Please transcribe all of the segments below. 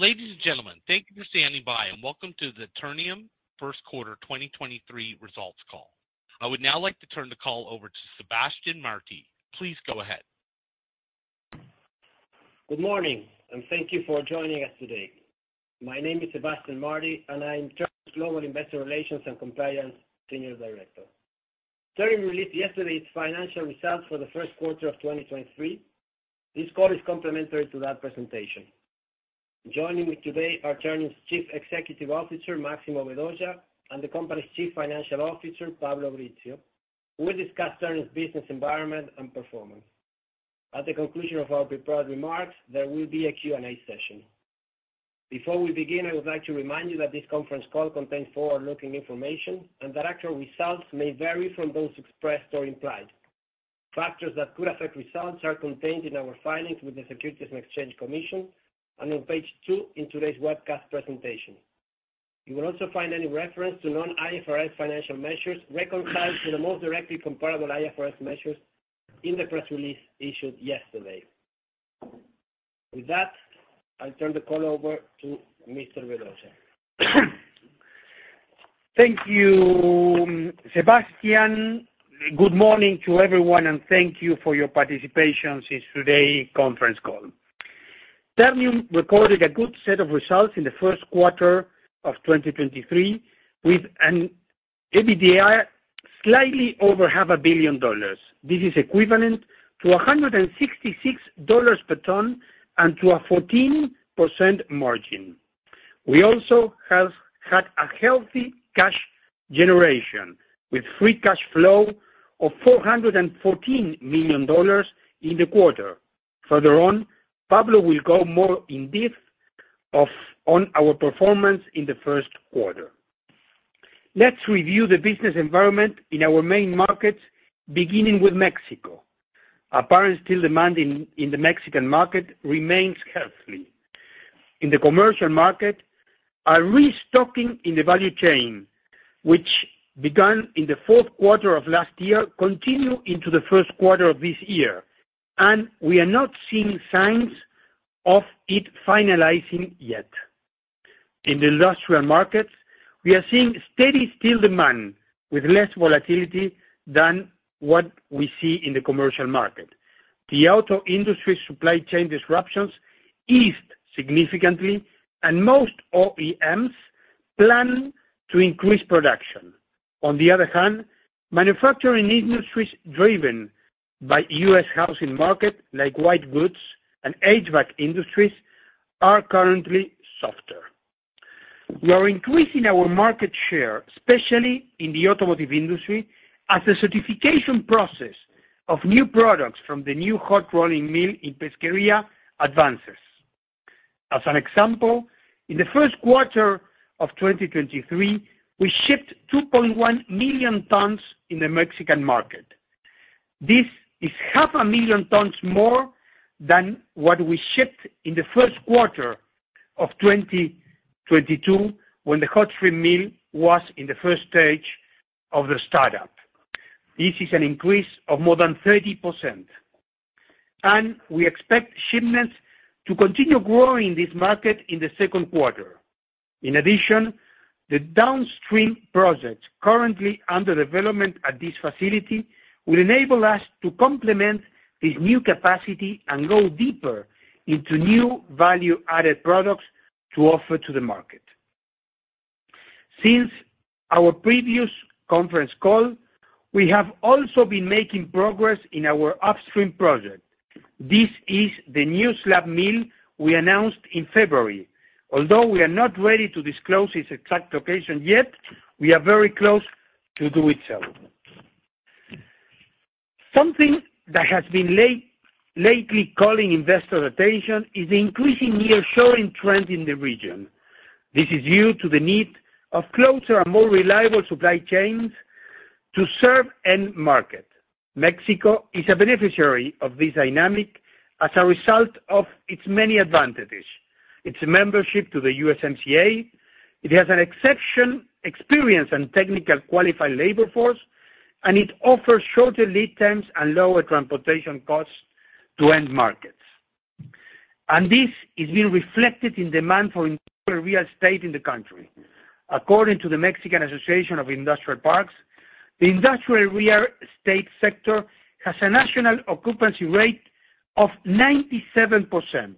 Ladies and gentlemen, thank you for standing by and welcome to the Ternium First Quarter 2023 results call. I would now like to turn the call over to Sebastián Martí. Please go ahead. Good morning, thank you for joining us today. My name is Sebastián Martí, and I'm Ternium's Global Investor Relations and Compliance Senior Director. Ternium released yesterday its financial results for the first quarter of 2023. This call is complimentary to that presentation. Joining me today are Ternium's Chief Executive Officer, Máximo Vedoya, and the company's Chief Financial Officer, Pablo Brizzio, who will discuss Ternium's business environment and performance. At the conclusion of our prepared remarks, there will be a Q&A session. Before we begin, I would like to remind you that this conference call contains forward-looking information and that actual results may vary from those expressed or implied. Factors that could affect results are contained in our filings with the Securities and Exchange Commission and on page two in today's webcast presentation. You will also find any reference to non-IFRS financial measures reconciled to the most directly comparable IFRS measures in the press release issued yesterday. With that, I'll turn the call over to Mr. Vedoya. Thank you, Sebastián. Good morning to everyone, and thank you for your participation since today conference call. Ternium recorded a good set of results in the first quarter of 2023, with an EBITDA slightly over half a billion dollars. This is equivalent to $166 per ton and to a 14% margin. We also have had a healthy cash generation, with free cash flow of $414 million in the quarter. Further on, Pablo will go more in-depth on our performance in the first quarter. Let's review the business environment in our main markets, beginning with Mexico. Apparently, demand in the Mexican market remains healthy. In the commercial market, a restocking in the value chain, which began in the fourth quarter of last year, continue into the first quarter of this year. We are not seeing signs of it finalizing yet. In the industrial markets, we are seeing steady steel demand with less volatility than what we see in the commercial market. The auto industry supply chain disruptions eased significantly. Most OEMs plan to increase production. On the other hand, manufacturing industries driven by U.S. housing market, like white goods and HVAC industries, are currently softer. We are increasing our market share, especially in the automotive industry, as the certification process of new products from the new hot rolling mill in Pesquería advances. As an example, in the first quarter of 2023, we shipped 2.1 million tons in the Mexican market. This is half a million tons more than what we shipped in the first quarter of 2022 when the hot rolling mill was in the first stage of the startup. This is an increase of more than 30%. We expect shipments to continue growing this market in the second quarter. In addition, the downstream projects currently under development at this facility will enable us to complement this new capacity and go deeper into new value added products to offer to the market. Since our previous conference call, we have also been making progress in our upstream project. This is the new slab mill we announced in February. Although we are not ready to disclose its exact location yet, we are very close to do it so. Something that has been lately calling investor attention is the increasing nearshoring trend in the region. This is due to the need of closer and more reliable supply chains to serve end market. Mexico is a beneficiary of this dynamic as a result of its many advantages. Its membership to the USMCA, it has an exception experience and technical qualified labor force, and it offers shorter lead times and lower transportation costs to end markets. This is being reflected in demand for industrial real estate in the country. According to the Mexican Association of Industrial Parks, the industrial real estate sector has a national occupancy rate of 97%.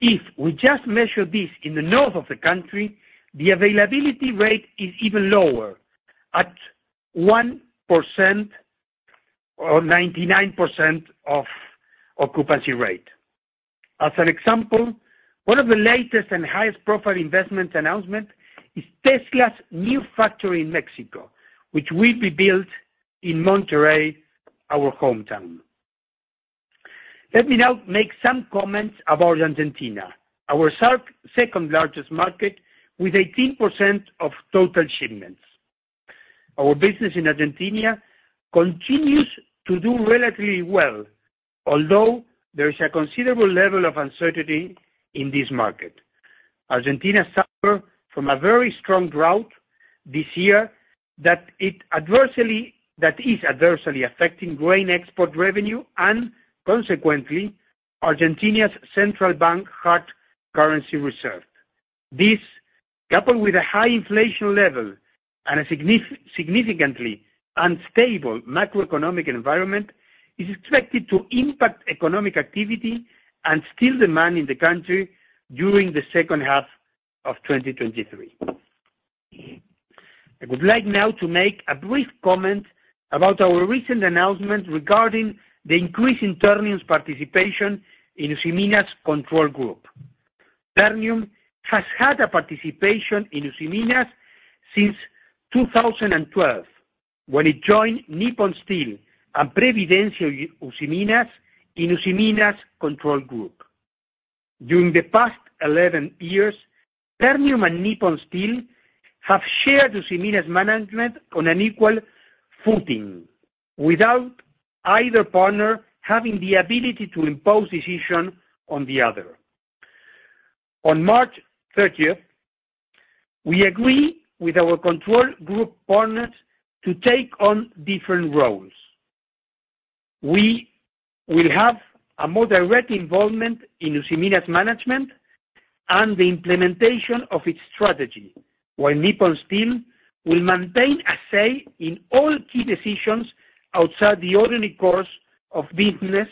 If we just measure this in the north of the country, the availability rate is even lower at 1% or 99% of occupancy rate. As an example, one of the latest and highest profile investment announcement is Tesla's new factory in Mexico, which will be built in Monterrey, our hometown. Let me now make some comments about Argentina, our second largest market with 18% of total shipments. Our business in Argentina continues to do relatively well, although there is a considerable level of uncertainty in this market. Argentina suffer from a very strong drought this year that is adversely affecting grain export revenue, and consequently, Argentina's central bank hard currency reserve. This, coupled with a high inflation level and a significantly unstable macroeconomic environment, is expected to impact economic activity and still demand in the country during the second half of 2023. I would like now to make a brief comment about our recent announcement regarding the increase in Ternium's participation in Usiminas' control group. Ternium has had a participation in Usiminas since 2012 when it joined Nippon Steel and Previdência Usiminas in Usiminas' control group. During the past 11 years, Ternium and Nippon Steel have shared Usiminas' management on an equal footing without either partner having the ability to impose decision on the other. On March 30th, we agree with our control group partners to take on different roles. We will have a more direct involvement in Usiminas' management and the implementation of its strategy, while Nippon Steel will maintain a say in all key decisions outside the ordinary course of business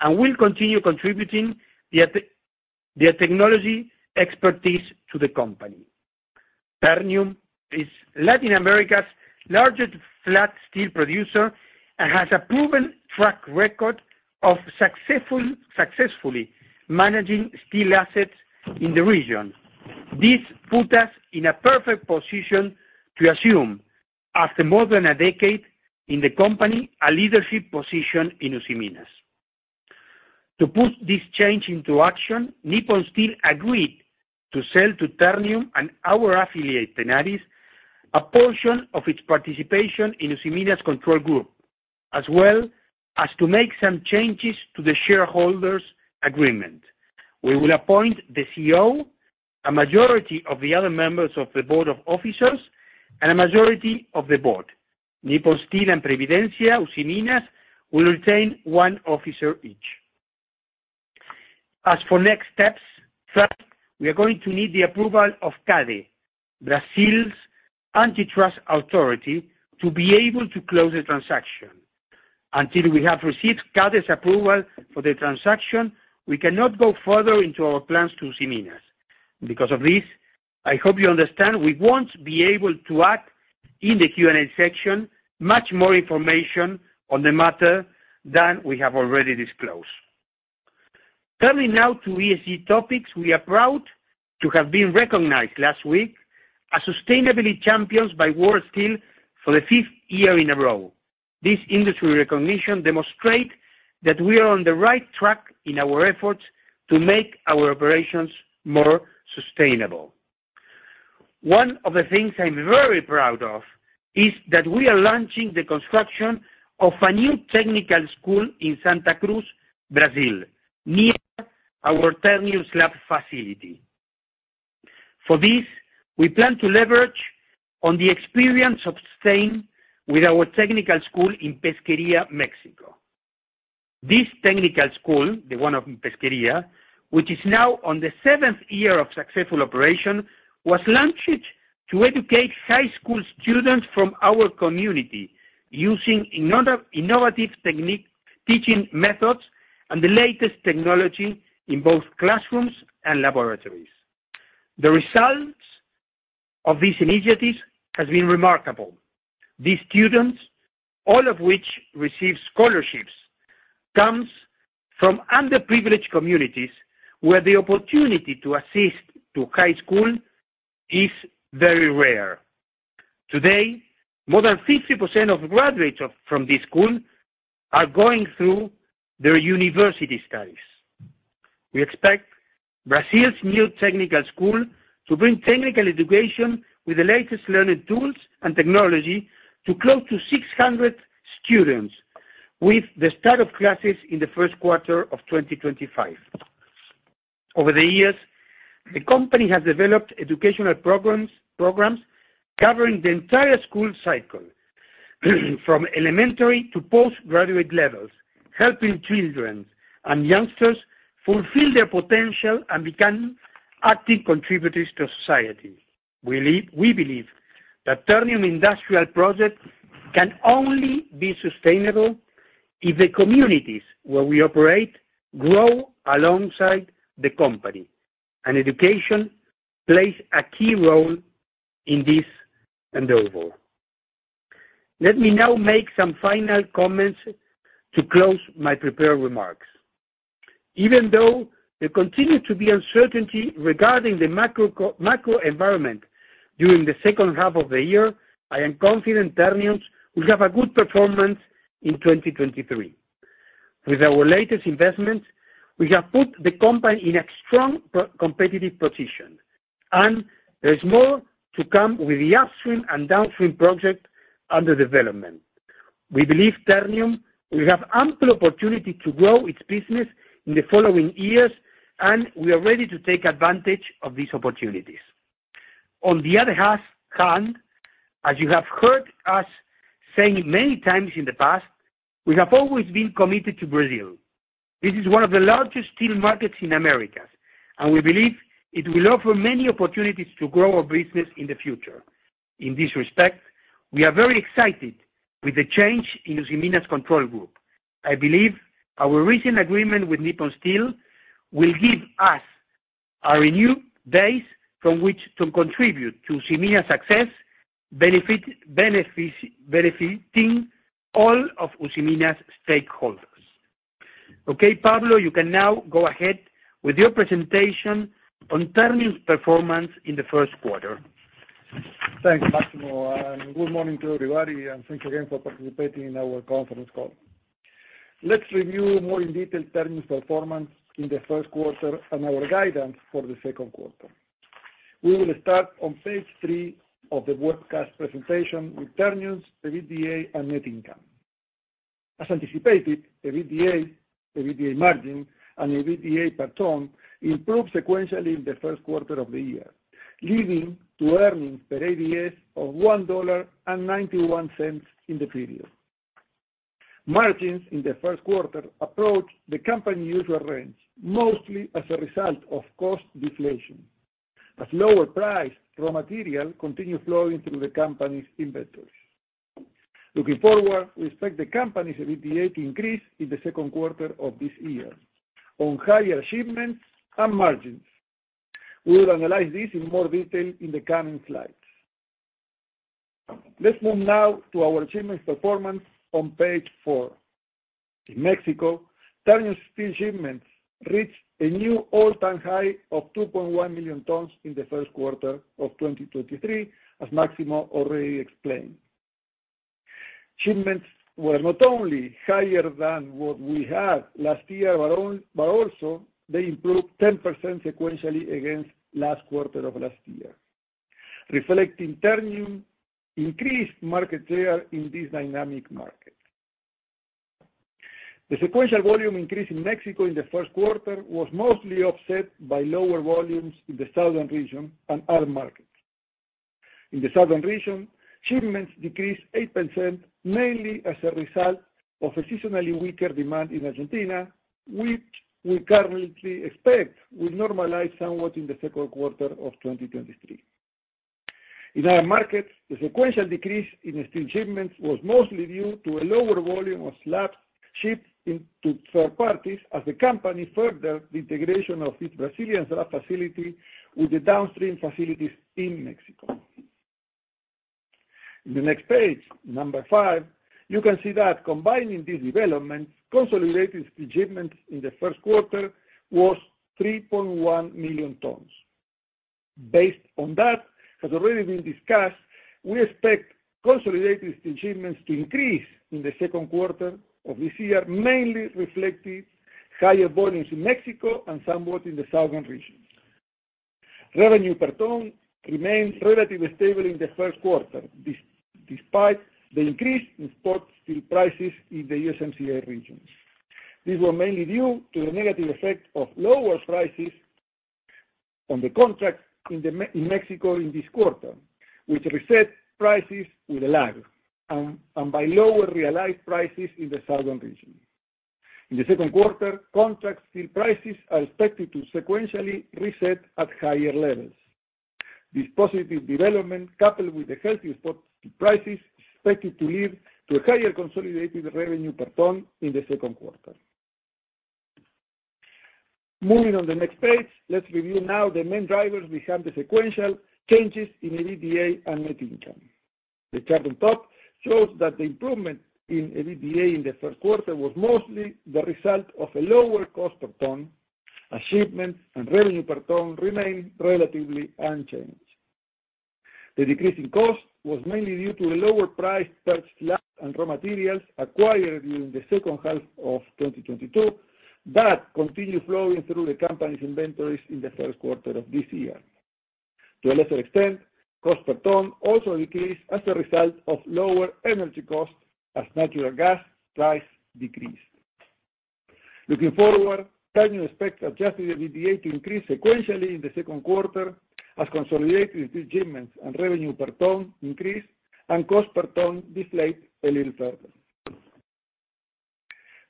and will continue contributing their technology expertise to the company. Ternium is Latin America's largest flat steel producer and has a proven track record of successfully managing steel assets in the region. This put us in a perfect position to assume, after more than a decade in the company, a leadership position in Usiminas. To put this change into action, Nippon Steel agreed to sell to Ternium and our affiliate, Tenaris, a portion of its participation in Usiminas' control group, as well as to make some changes to the shareholders' agreement. We will appoint the CEO, a majority of the other members of the board of officers, and a majority of the board. Nippon Steel and Previdência Usiminas will retain one officer each. As for next steps, first, we are going to need the approval of CADE, Brazil's antitrust authority, to be able to close the transaction. Until we have received CADE's approval for the transaction, we cannot go further into our plans to Usiminas. Because of this, I hope you understand we won't be able to add in the Q&A section much more information on the matter than we have already disclosed. Turning now to ESG topics. We are proud to have been recognized last week as sustainability champions by World Steel for the fifth year in a row. This industry recognition demonstrates that we are on the right track in our efforts to make our operations more sustainable. One of the things I'm very proud of is that we are launching the construction of a new technical school in Santa Cruz, Brazil, near our Ternium slab facility. For this, we plan to leverage on the experience obtained with our technical school in Pesquería, Mexico. This technical school, the one in Pesquería, which is now on the seventh year of successful operation, was launched to educate high school students from our community using innovative technique, teaching methods, and the latest technology in both classrooms and laboratories. The results of these initiatives have been remarkable. These students, all of which receive scholarships, comes from underprivileged communities where the opportunity to assist to high school is very rare. Today, more than 50% of graduates from this school are going through their university studies. We expect Brazil's new technical school to bring technical education with the latest learning tools and technology to close to 600 students with the start of classes in the first quarter of 2025. Over the years, the company has developed educational programs covering the entire school cycle from elementary to post-graduate levels, helping children and youngsters fulfill their potential and become active contributors to society. We believe that Ternium industrial project can only be sustainable if the communities where we operate grow alongside the company, and education plays a key role in this endeavor. Let me now make some final comments to close my prepared remarks. Even though there continue to be uncertainty regarding the macro environment during the second half of the year, I am confident Ternium will have a good performance in 2023. With our latest investment, we have put the company in a strong competitive position. There is more to come with the upstream and downstream project under development. We believe Ternium will have ample opportunity to grow its business in the following years. We are ready to take advantage of these opportunities. On the other hand, as you have heard us saying many times in the past, we have always been committed to Brazil. This is one of the largest steel markets in Americas. We believe it will offer many opportunities to grow our business in the future. In this respect, we are very excited with the change in Usiminas control group. I believe our recent agreement with Nippon Steel will give us a renewed base from which to contribute to Usiminas success, benefiting all of Usiminas stakeholders. Okay, Pablo, you can now go ahead with your presentation on Ternium's performance in the first quarter. Thanks, Máximo. Good morning to everybody, thanks again for participating in our conference call. Let's review more in detail Ternium's performance in the first quarter and our guidance for the second quarter. We will start on page three of the webcast presentation with Ternium's EBITDA and net income. As anticipated, EBITDA margin, and EBITDA per ton improved sequentially in the first quarter of the year, leading to earnings per ADS of $1.91 in the period. Margins in the first quarter approached the company usual range, mostly as a result of cost deflation, as lower priced raw material continue flowing through the company's inventories. Looking forward, we expect the company's EBITDA to increase in the second quarter of this year on higher shipments and margins. We will analyze this in more detail in the coming slides. Let's move now to our shipments performance on page four. In Mexico, Ternium steel shipments reached a new all-time high of 2.1 million tons in the first quarter of 2023, as Máximo already explained. Shipments were not only higher than what we had last year, but also they improved 10% sequentially against last quarter of last year, reflecting Ternium increased market share in this dynamic market. The sequential volume increase in Mexico in the first quarter was mostly offset by lower volumes in the southern region and other markets. In the southern region, shipments decreased 8%, mainly as a result of a seasonally weaker demand in Argentina, which we currently expect will normalize somewhat in the second quarter of 2023. In our markets, the sequential decrease in steel shipments was mostly due to a lower volume of slabs shipped into third parties as the company further the integration of its Brazilian slab facility with the downstream facilities in Mexico. In the next page, number five, you can see that combining this development, consolidated steel shipments in the first quarter was 3.1 million tons. Based on that, as already been discussed, we expect consolidated steel shipments to increase in the second quarter of this year, mainly reflecting higher volumes in Mexico and somewhat in the southern regions. Revenue per ton remains relatively stable in the first quarter, despite the increase in spot steel prices in the USMCA regions. These were mainly due to the negative effect of lower prices on the contract in Mexico in this quarter, which reset prices with a lag, and by lower realized prices in the southern region. In the second quarter, contract steel prices are expected to sequentially reset at higher levels. This positive development, coupled with the healthy spot steel prices, expected to lead to a higher consolidated revenue per ton in the second quarter. Moving on the next page, let's review now the main drivers behind the sequential changes in EBITDA and net income. The chart on top shows that the improvement in EBITDA in the first quarter was mostly the result of a lower cost per ton, as shipments and revenue per ton remain relatively unchanged. The decrease in cost was mainly due to a lower price per slab and raw materials acquired during the second half of 2022, but continue flowing through the company's inventories in the first quarter of this year. To a lesser extent, cost per ton also decreased as a result of lower energy costs as natural gas price decreased. Looking forward, Ternium expects adjusted EBITDA to increase sequentially in the second quarter, as consolidated steel shipments and revenue per ton increase and cost per ton deflate a little further.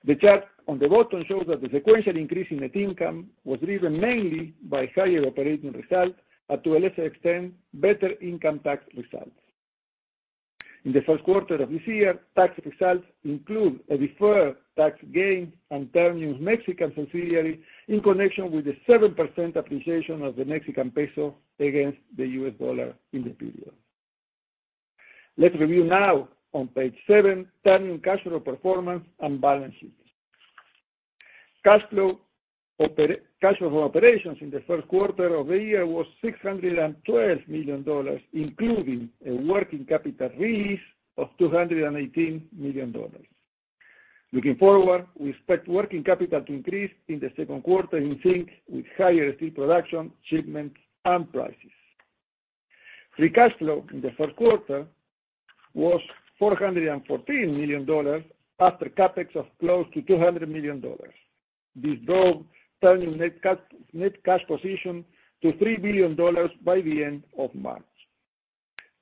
The chart on the bottom shows that the sequential increase in net income was driven mainly by higher operating results, and to a lesser extent, better income tax results. In the first quarter of this year, tax results include a deferred tax gain on Ternium's Mexican subsidiary in connection with the 7% appreciation of the Mexican peso against the US dollar in the period. Let's review now on page seven, Ternium cash flow performance and balance sheet. Cash flow operations in the first quarter of the year was $612 million, including a working capital release of $218 million. Looking forward, we expect working capital to increase in the second quarter in sync with higher steel production, shipments, and prices. Free cash flow in the third quarter was $414 million after CapEx of close to $200 million. This drove Ternium net cash position to $3 billion by the end of March.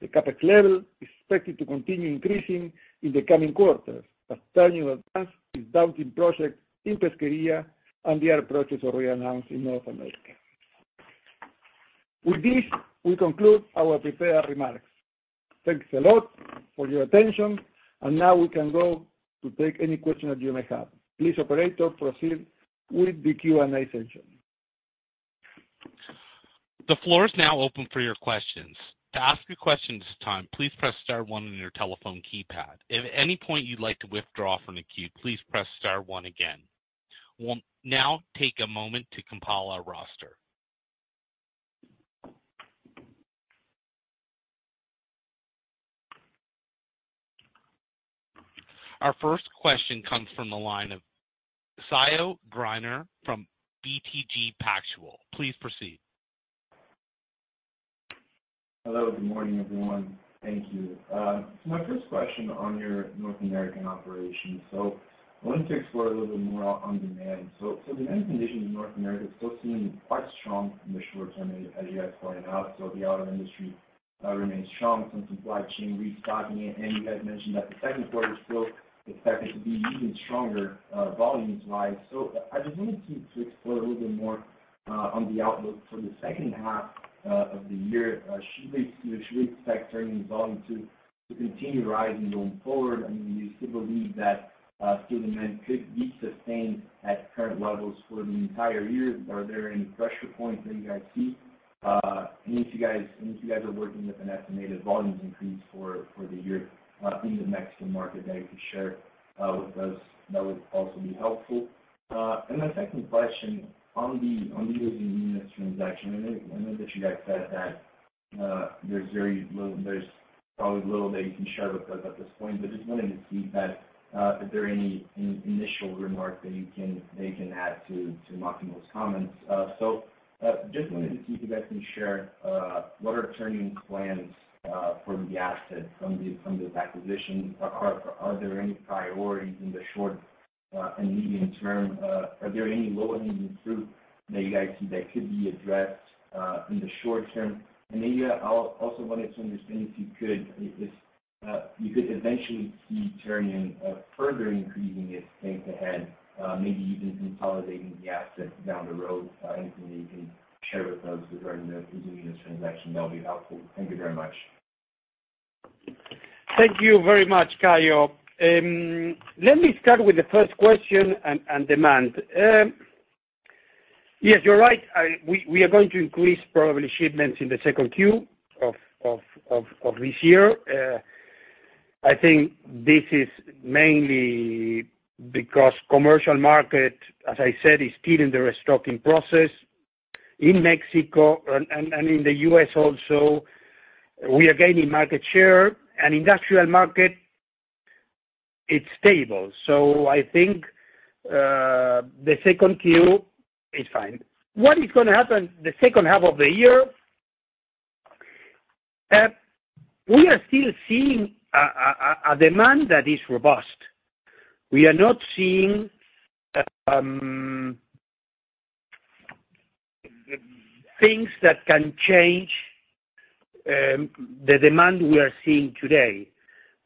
The CapEx level is expected to continue increasing in the coming quarters as Ternium advances its down-stream project in Pesquería and the other projects already announced in North America. With this, we conclude our prepared remarks. Thanks a lot for your attention. Now we can go to take any questions you may have. Please, operator, proceed with the Q&A session. The floor is now open for your questions. To ask a question at this time, please press Star one on your telephone keypad. If at any point you'd like to withdraw from the queue, please press Star one again. We'll now take a moment to compile our roster. Our first question comes from the line of Caio Greiner from BTG Pactual. Please proceed. Hello. Good morning, everyone. Thank you. My first question on your North American operations. I wanted to explore a little bit more on demand. Demand conditions in North America is still seeming quite strong in the short term as you guys pointed out. The auto industry remains strong from supply chain restocking. You guys mentioned that the second quarter is still expected to be even stronger, volumes wise. I just wanted to explore a little bit more on the outlook for the second half of the year. Should we expect Ternium's volume to continue rising going forward? I mean, do you still believe that steel demand could be sustained at current levels for the entire year? Are there any pressure points that you guys see? If you guys are working with an estimated volume increase for the year, in the Mexican market that you could share with us, that would also be helpful. My second question on the Usiminas transaction. I know that you guys said that there's probably little that you can share with us at this point, but just wanted to see if that, if there are any initial remarks that you can add to Máximo's comments. Just wanted to see if you guys can share what are Ternium's plans for the assets from this acquisition? Are there any priorities in the short and medium term? Are there any low hanging fruit that you guys see that could be addressed in the short term? I'll also wanted to understand if you could eventually see Ternium further increasing its bank ahead, maybe even consolidating the assets down the road. Anything that you can share with us regarding the Usina Unidade transaction, that'll be helpful. Thank you very much. Thank you very much, Caio. Let me start with the first question on demand. Yes, you're right. We are going to increase probably shipments in the second Q of this year. I think this is mainly because commercial market, as I said, is still in the restocking process in Mexico and in the U.S. also, we are gaining market share. Industrial market, it's stable. I think the second Q is fine. What is gonna happen the second half of the year? We are still seeing a demand that is robust. We are not seeing things that can change the demand we are seeing today.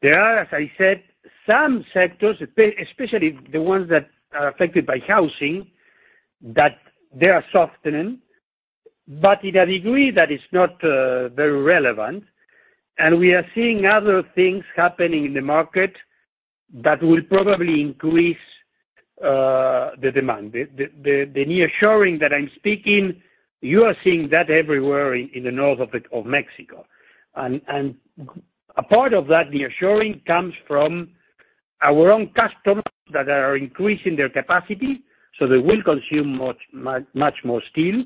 There are, as I said, some sectors, especially the ones that are affected by housing, that they are softening, but in a degree that is not very relevant. We are seeing other things happening in the market that will probably increase the demand. The nearshoring that I'm speaking, you are seeing that everywhere in the north of it, of Mexico. A part of that nearshoring comes from our own customers that are increasing their capacity, so they will consume much more steel.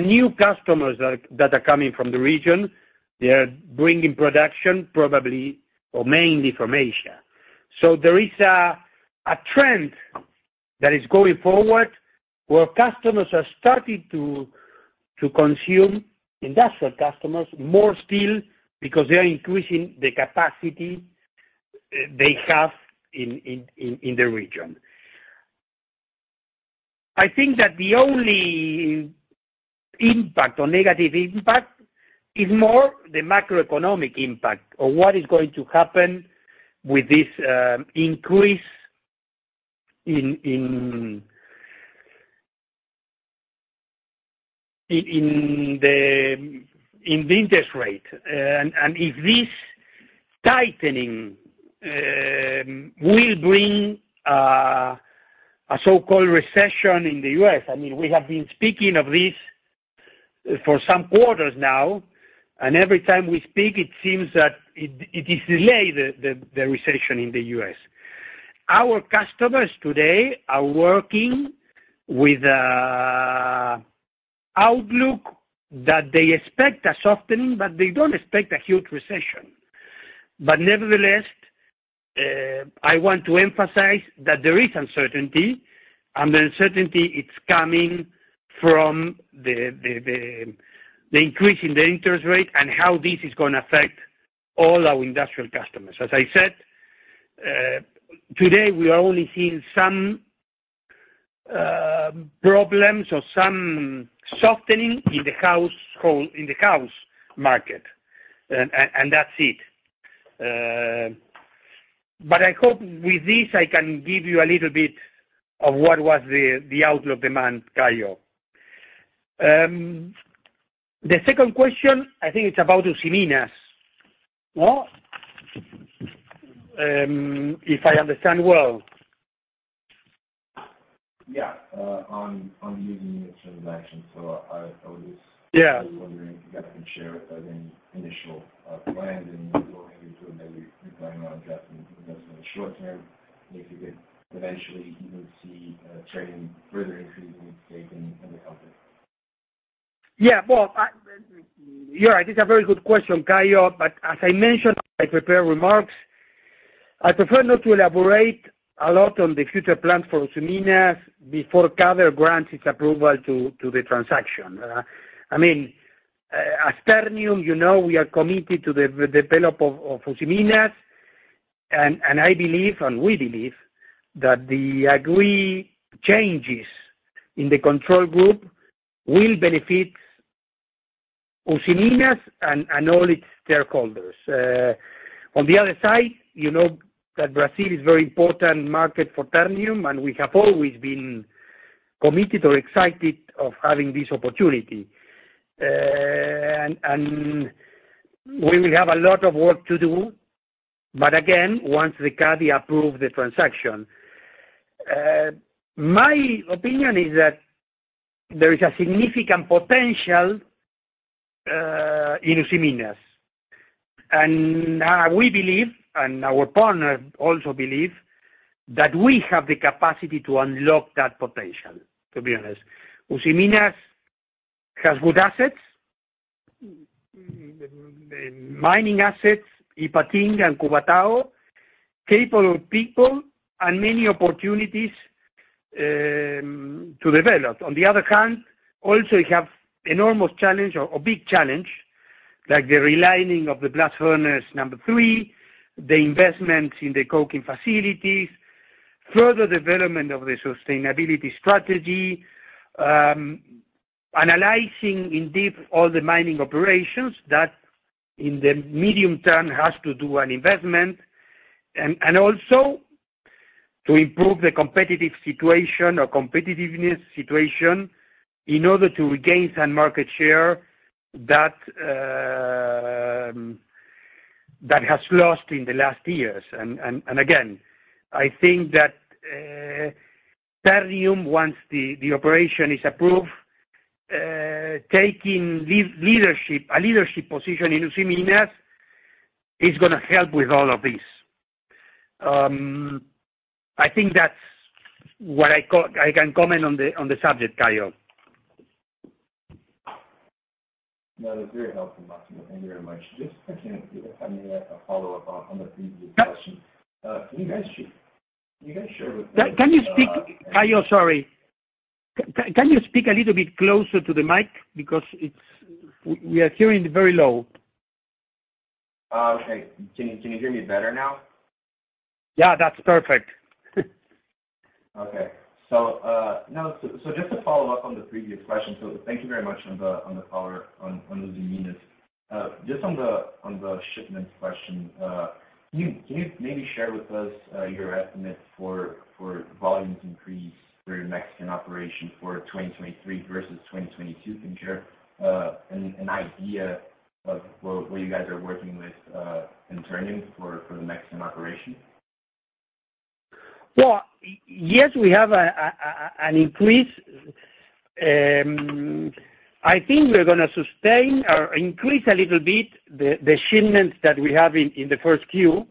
New customers that are coming from the region, they are bringing production probably or mainly from Asia. There is a trend that is going forward where customers have started to consume, industrial customers, more steel because they are increasing the capacity they have in the region. I think that the only impact or negative impact is more the macroeconomic impact of what is going to happen with this increase in the interest rate. If this tightening will bring a so-called recession in the U.S. I mean, we have been speaking of this for some quarters now, and every time we speak it seems that it is delayed, the recession in the U.S. Our customers today are working with a outlook that they expect a softening, but they don't expect a huge recession. Nevertheless, I want to emphasize that there is uncertainty, and the uncertainty it's coming from the increase in the interest rate and how this is gonna affect all our industrial customers. As I said, today, we are only seeing some problems or some softening in the house market, and that's it. I hope with this I can give you a little bit of what was the outlook demand, Caio. The second question, I think it's about Usiminas, no? If I understand well. Yeah, on Usiminas transaction. I. Yeah. Just wondering if you guys can share, the initial, plans and you go into maybe relying on addressing investment in the short term, and if you could eventually even see, trading further increasing its stake in, the company? Well, you're right. It's a very good question, Caio, but as I mentioned, I prepare remarks. I prefer not to elaborate a lot on the future plans for Usiminas before CADE grants its approval to the transaction. I mean, as Ternium, you know, we are committed to the develop of Usiminas. I believe, and we believe that the agreed changes in the control group will benefit Usiminas and all its stakeholders. On the other side, you know that Brazil is very important market for Ternium, and we have always been committed or excited of having this opportunity. We will have a lot of work to do, but again, once the CADE approve the transaction. My opinion is that there is a significant potential in Usiminas. Now we believe, and our partner also believe, that we have the capacity to unlock that potential, to be honest. Usiminas has good assets, mining assets, Ipatinga and Cubatão, capable people and many opportunities to develop. On the other hand, also you have enormous challenge or big challenge, like the relining of the blast furnace number three, the investment in the coking facilities, further development of the sustainability strategy, analyzing in deep all the mining operations that in the medium term has to do an investment, and also to improve the competitive situation or competitiveness situation in order to regain some market share that has lost in the last years. Again, I think that Ternium, once the operation is approved, taking a leadership position in Usiminas is gonna help with all of this. I think that's what I can comment on the subject, Caio. No, that's very helpful, Máximo. Thank you very much. Just actually, if I may ask a follow-up on the previous question. Yep. Can you guys share with us? Caio, sorry. Can you speak a little bit closer to the mic because we are hearing it very low? Okay. Can you hear me better now? Yeah, that's perfect. Okay. No. Just to follow up on the previous question, thank you very much on the call, on Usiminas. Just on the shipments question, can you maybe share with us your estimate for volumes increase for your Mexican operation for 2023 versus 2022? Can you share an idea of what you guys are working with in Ternium for the Mexican operation? Well, yes, we have an increase. I think we're gonna sustain or increase a little bit the shipments that we have in the first Q.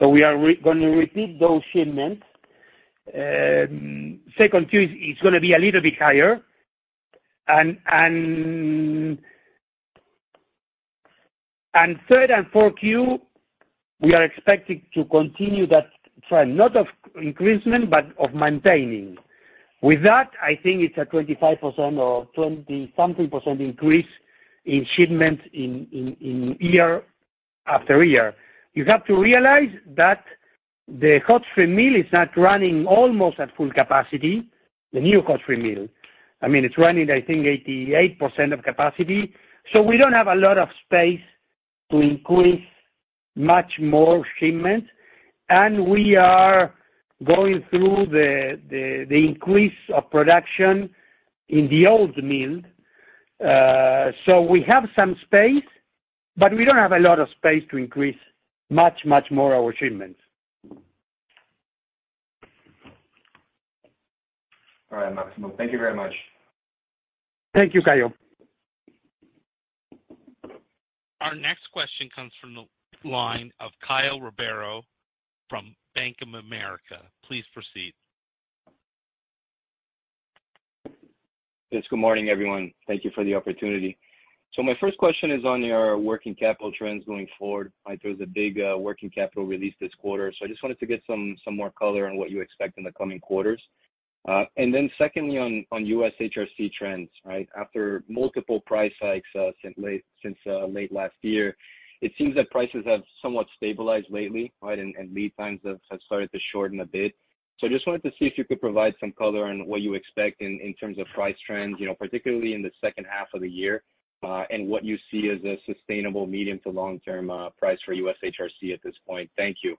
We are gonna repeat those shipments. Second Q is gonna be a little bit higher. Third and fourth Q, we are expecting to continue that trend, not of increasement but of maintaining. With that, I think it's a 25% or 20 something % increase in shipment in year-over-year. You have to realize that the hot strip mill is not running almost at full capacity, the new hot strip mill. I mean, it's running, I think, 88% of capacity. We don't have a lot of space to increase much more shipments, and we are going through the increase of production in the old mill. We have some space, but we don't have a lot of space to increase much more our shipments. All right, Máximo. Thank you very much. Thank you, Caio. Our next question comes from the line of Ciao from Bank of America. Please proceed. Yes, good morning, everyone. Thank you for the opportunity. My first question is on your working capital trends going forward. Right. There's a big working capital release this quarter. I just wanted to get some more color on what you expect in the coming quarters. Secondly on U.S. HRC trends, right? After multiple price hikes since late last year, it seems that prices have somewhat stabilized lately, right? Lead times have started to shorten a bit. I just wanted to see if you could provide some color on what you expect in terms of price trends, you know, particularly in the second half of the year, and what you see as a sustainable medium to long term price for U.S. HRC at this point. Thank you.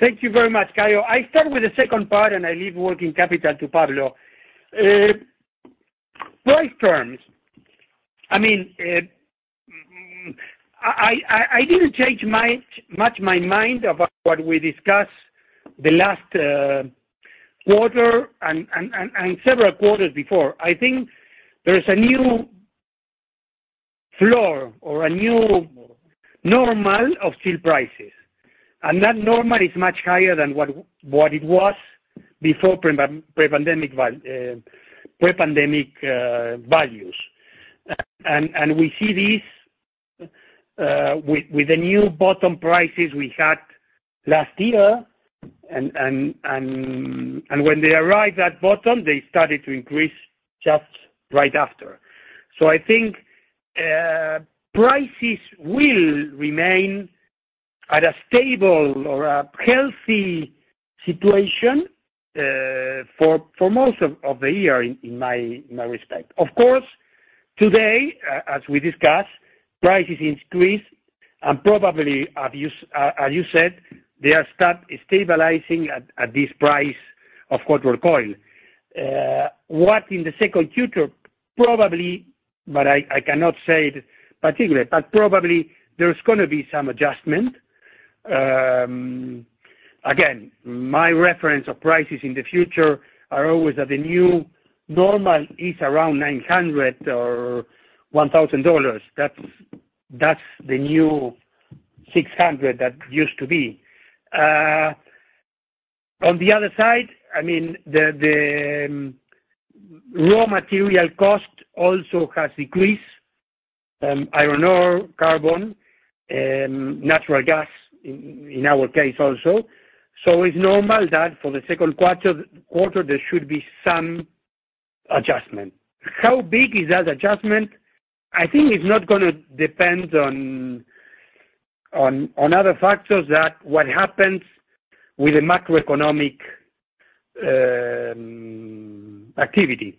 Thank you very much, Caio. I start with the second part, and I leave working capital to Pablo. Price terms. I mean, I, I didn't change much my mind about what we discussed the last quarter and several quarters before. I think there is a new floor or a new normal of steel prices, and that normal is much higher than what it was before pre-pandemic values. We see this with the new bottom prices we had last year. When they arrived at bottom, they started to increase just right after. I think prices will remain at a stable or a healthy situation for most of the year, in my respect. Of course, today, as we discussed, prices increased and probably, as you said, they are start stabilizing at this price of quarter coil. What in the second future, probably, but I cannot say it particularly, but probably there's gonna be some adjustment. Again, my reference of prices in the future are always that the new normal is around $900 or $1,000. That's, that's the new $600 that used to be. On the other side, I mean, the raw material cost also has decreased, iron ore, carbon, natural gas in our case also. It's normal that for the second quarter, there should be some adjustment. How big is that adjustment? I think it's not gonna depend on other factors that what happens with the macroeconomic activity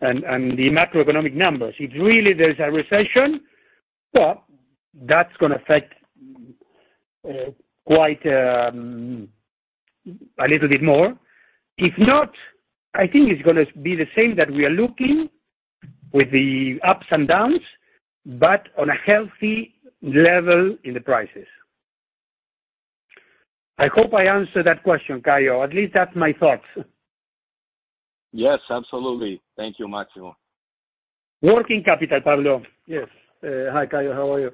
and the macroeconomic numbers. If really there's a recession, well, that's gonna affect quite a little bit more. If not, I think it's gonna be the same that we are looking with the ups and downs, but on a healthy level in the prices. I hope I answered that question, Caio. At least that's my thoughts. Yes, absolutely. Thank you, Máximo. Working capital, Pablo. Yes. Hi, Caio. How are you?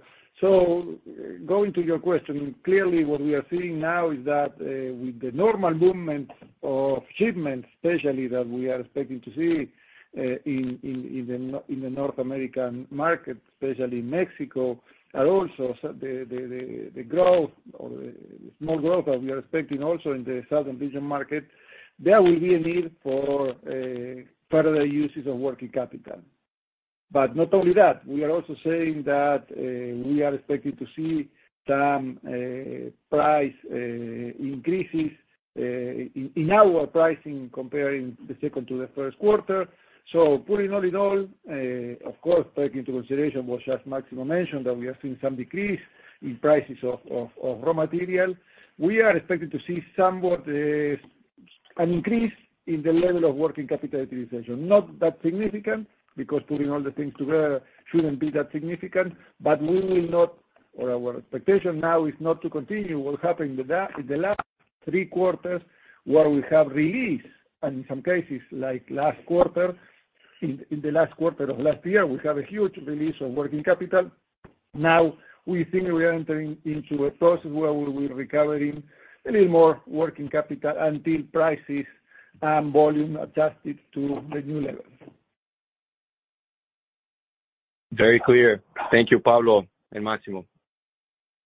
Going to your question, clearly what we are seeing now is that with the normal movement of shipments especially that we are expecting to see in the North American market, especially Mexico, and also the growth or the small growth that we are expecting also in the Southern region market, there will be a need for further uses of working capital. Not only that, we are also saying that we are expecting to see some price increases in our pricing comparing the second to the first quarter. Putting all in all, of course, taking into consideration what just Máximo mentioned, that we are seeing some decrease in prices of raw material. We are expecting to see somewhat an increase in the level of working capital utilization. Not that significant because putting all the things together shouldn't be that significant. But we will not, or our expectation now is not to continue what happened in the last three quarters where we have released, and in some cases like last quarter, in the last quarter of last year, we have a huge release of working capital. Now we think we are entering into a process where we're recovering a little more working capital until prices and volume adjusted to the new levels. Very clear. Thank you, Pablo and Máximo.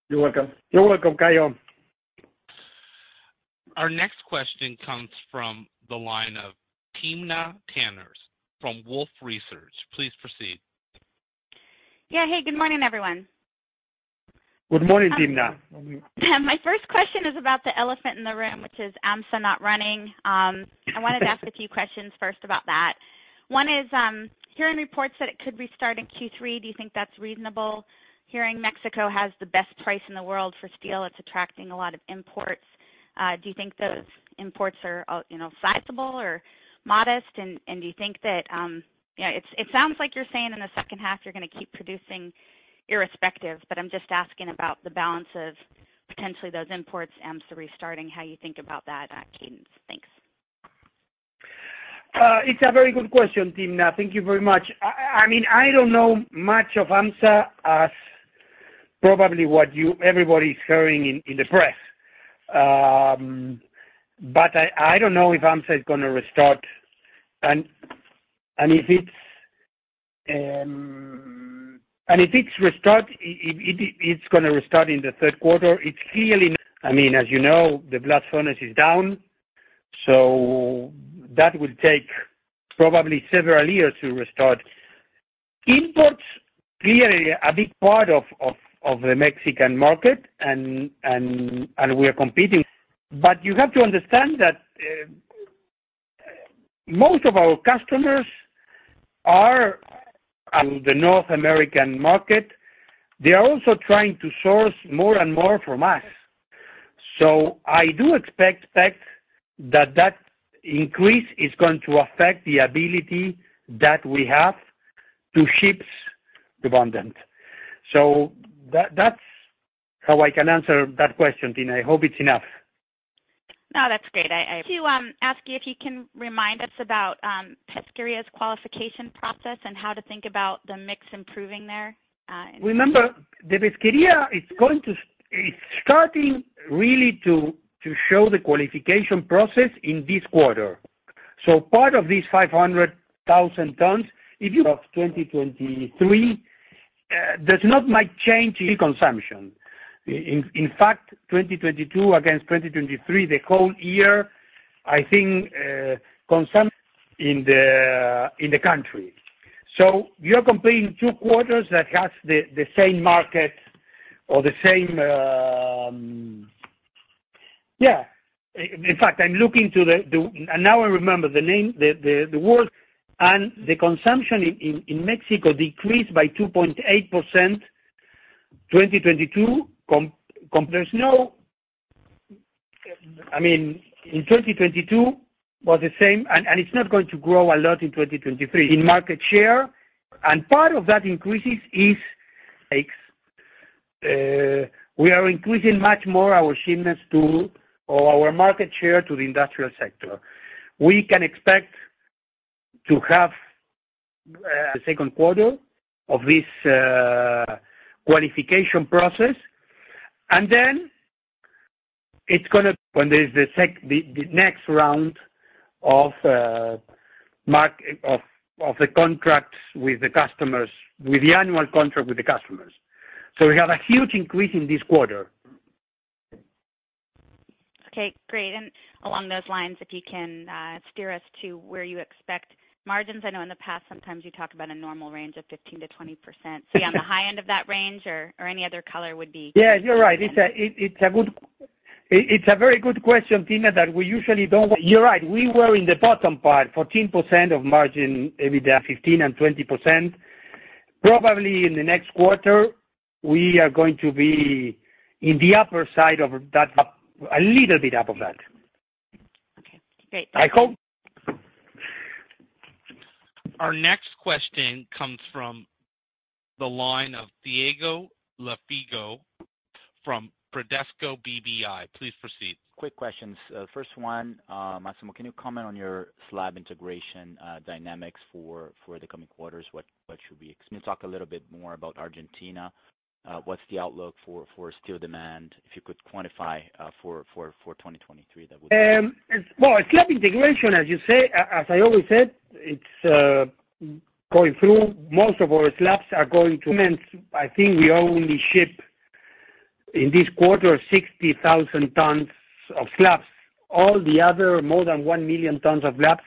You're welcome. You're welcome, Caio. Our next question comes from the line of Timna Tanners from Wolfe Research. Please proceed. Yeah. Hey, good morning, everyone. Good morning, Timna. My first question is about the elephant in the room, which is AHMSA not running. I wanted to ask a few questions first about that. One is, hearing reports that it could restart in Q3. Do you think that's reasonable? Hearing Mexico has the best price in the world for steel. It's attracting a lot of imports. Do you think those imports are, you know, sizable or modest? Do you think that, you know... It sounds like you're saying in the second half you're gonna keep producing irrespective, but I'm just asking about the balance of potentially those imports, AHMSA restarting, how you think about that cadence. Thanks. It's a very good question, Timna. Thank you very much. I mean, I don't know much of AHMSA. Probably what you, everybody's hearing in the press. I don't know if AHMSA is gonna restart. If it's restart, it's gonna restart in the third quarter. I mean, as you know, the blast furnace is down, that will take probably several years to restart. Imports clearly a big part of the Mexican market and we're competing. You have to understand that most of our customers are on the North American market. They are also trying to source more and more from us. I do expect that increase is going to affect the ability that we have to ship to Usiminas. That's how I can answer that question, Timna. I hope it's enough. No, that's great. I to ask you if you can remind us about Pesquería's qualification process and how to think about the mix improving there? Remember, the Pesquería is starting really to show the qualification process in this quarter. Part of these 500,000 tons of 2023 does not might change the consumption. In fact, 2022 against 2023, the whole year, I think, consumption in the country. You're comparing two quarters that has the same market or the same. Yeah. In fact, I'm looking to the. Now I remember the name, the world. The consumption in Mexico decreased by 2.8%, 2022. No. I mean, in 2022 was the same. It's not going to grow a lot in 2023. In market share. Part of that increases is makes, we are increasing much more our shipments to, or our market share to the industrial sector. We can expect to have, the second quarter of this qualification process. When there's the next round of the contracts with the customers, with the annual contract with the customers. We have a huge increase in this quarter. Okay, great. Along those lines, if you can steer us to where you expect margins. I know in the past sometimes you talk about a normal range of 15%-20%. Yeah. See on the high end of that range or any other color would be... Yeah, you're right. It's a very good question, Timna, that we usually don't. You're right. We were in the bottom part, 14% of margin EBITDA, 15% and 20%. Probably in the next quarter, we are going to be in the upper side of that, a little bit up of that. Okay, great. uncertain Our next question comes from the line of Thiago Lofiego from Bradesco BBI. Please proceed. Quick questions. first one, Máximo, can you comment on your slab integration, dynamics for the coming quarters? What should we expect? Can you talk a little bit more about Argentina? what's the outlook for steel demand? If you could quantify, for 2023, that would be- Well, slab integration, as you say, as I always said, it's going through. I think we only ship in this quarter 60,000 tons of slabs. All the other, more than one million tons of slabs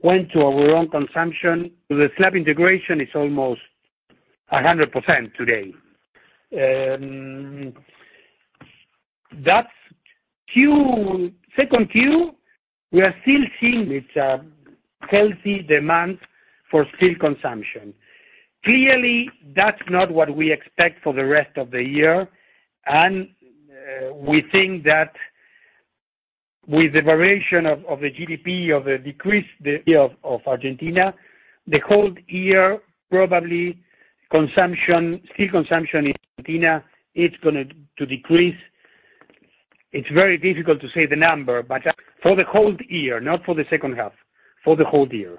went to our own consumption. The slab integration is almost 100% today. That 2Q, we are still seeing it healthy demand for steel consumption. Clearly, that's not what we expect for the rest of the year. We think that with the variation of the GDP, of the decrease of Argentina, the whole year, probably steel consumption in Argentina, it's gonna to decrease. It's very difficult to say the number, but for the whole year, not for the second half, for the whole year.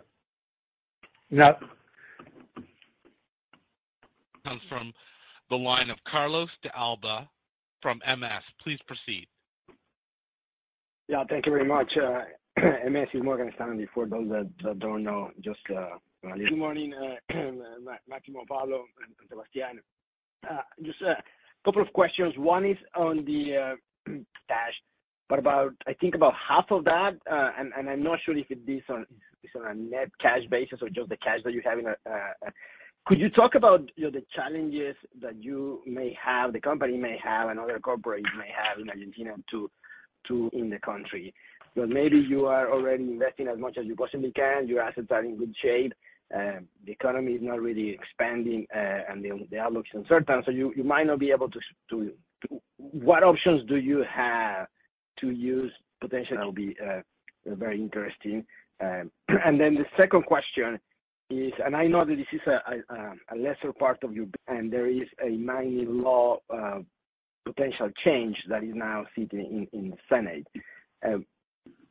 Comes from the line of Carlos de Alba from MS. Please proceed. Yeah, thank you very much. MS is Morgan Stanley for those that don't know just really. Good morning, Máximo, Pablo, and Sebastián. Just a couple of questions. One is on the cash. What about, I think about half of that, and I'm not sure if this on, is on a net cash basis or just the cash that you have in a... Could you talk about, you know, the challenges that you may have, the company may have, and other corporations may have in Argentina to in the country? Maybe you are already investing as much as you possibly can. Your assets are in good shape. The economy is not really expanding, and the outlook's uncertain. You might not be able to What options do you have to use potentially that'll be very interesting? The second question is, and I know that this is a lesser part of your brand. There is a mining law, potential change that is now sitting in the Senate.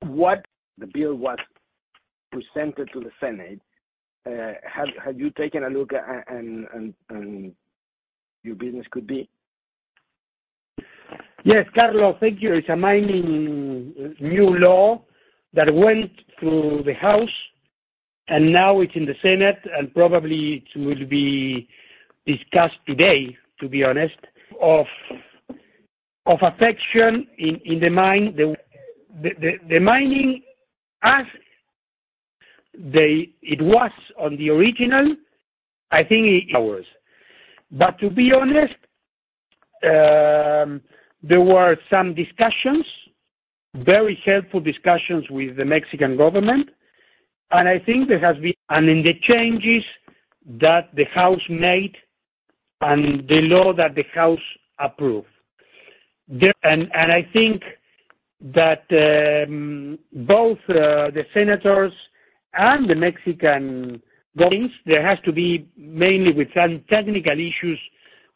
What the bill was. Presented to the Senate. Have you taken a look at and your business could be? Yes, Carlos, thank you. It's a mining new law that went through the House, now it's in the Senate, and probably it will be discussed today, to be honest. Of affection in the mine. The mining it was on the original, I think Hours. To be honest, there were some discussions, very helpful discussions with the Mexican government. I think in the changes that the House made and the law that the House approved. I think that both the senators and the Mexican government There has to be mainly with some technical issues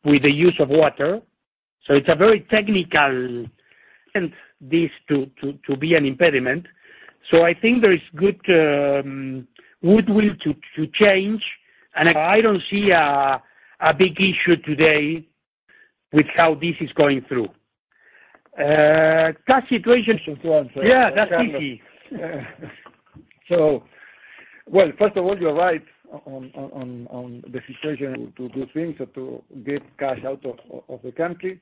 with the use of water. It's a very technical this to be an impediment. I think there is good goodwill to change. I don't see a big issue today with how this is going through. Cash situation. Questions one. Yeah, that's easy. Well, first of all, you're right on the situation to think, to get cash out of the country.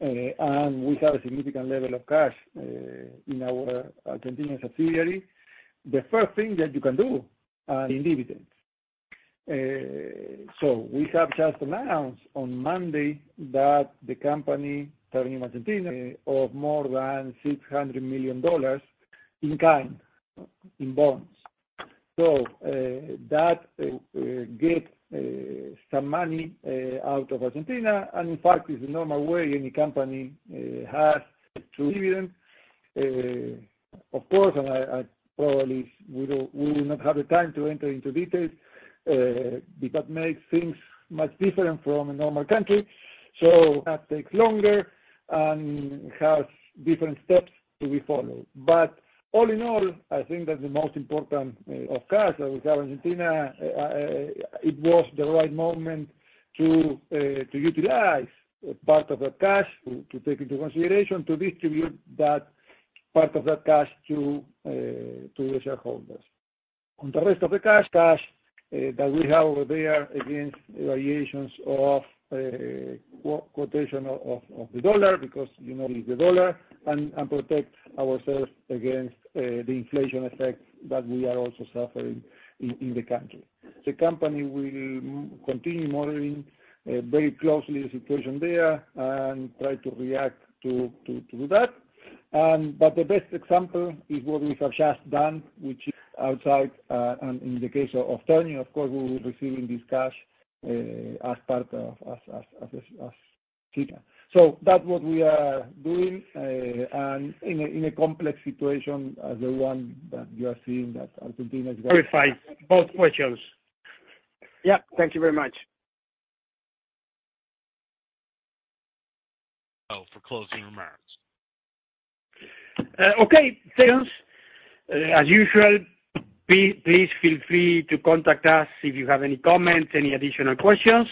And we have a significant level of cash in our continuing subsidiary. The first thing that you can do are in dividends. We have just announced on Monday that the company Ternium in Argentina of more than $600 million in kind, in bonds. That get some money out of Argentina, and in fact, is the normal way any company has to give them. Of course, and I probably we don't, we will not have the time to enter into details, because make things much different from a normal country. That takes longer and has different steps to be followed. All in all, I think that the most important of cash that we have Argentina, it was the right moment to utilize part of that cash to take into consideration to distribute that part of that cash to the shareholders. On the rest of the cash that we have over there against variations of quotation of the dollar because you know is the dollar and protect ourselves against the inflation effect that we are also suffering in the country. The company will continue monitoring very closely the situation there and try to react to that. The best example is what we have just done, which is outside, and in the case of Ternium, of course, we will be receiving this cash as part of uncertain. That's what we are doing. In a, in a complex situation as the one that you are seeing that Argentina's. Verify both questions. Yeah. Thank you very much. Oh, for closing remarks. Okay. Thanks. As usual, please feel free to contact us if you have any comments, any additional questions.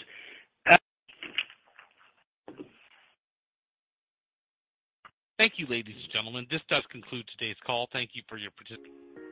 Thank you, ladies and gentlemen. This does conclude today's call. Thank you for your uncertain-.